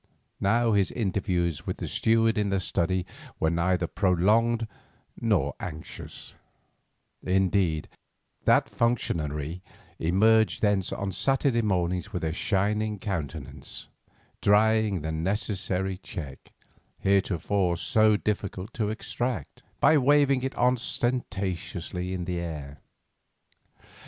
Now his interviews with the steward in the study were neither prolonged nor anxious; indeed, that functionary emerged thence on Saturday mornings with a shining countenance, drying the necessary cheque, heretofore so difficult to extract, by waving it ostentatiously in the air.